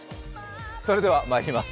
それではまいります。